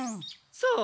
そう。